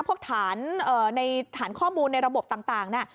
พวกฐานในฐานข้อมูลในระบบต่างน่ะ